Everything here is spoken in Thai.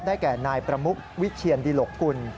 แก่นายประมุกวิเชียนดิหลกกุล